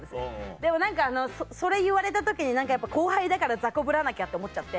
でも何かそれ言われた時にやっぱ後輩だから雑魚ぶらなきゃって思っちゃって。